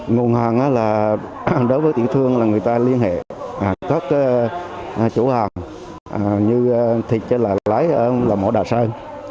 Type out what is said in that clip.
nguồn hàng đó là đối với tiểu thương là người ta liên hệ các chủ hàng như thịt là lái là mổ đà sơn